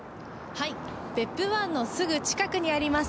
別府湾のすぐ近くにあります